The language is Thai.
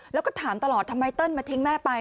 แล้วก็ถามตลอดทำไมเติ้ลมาทิ้งแม่ไป